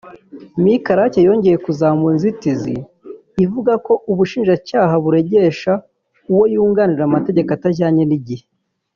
Me Karake yongeye kuzamura inzitizi ivuga ko ubushinjacyaha buregesha uwo yunganira amategeko atajyanye n’igihe